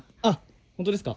本当ですか？